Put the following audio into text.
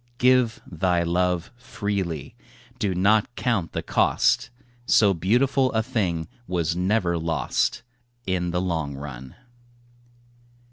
Give thy love freely; do not count the cost; So beautiful a thing was never lost In the long run.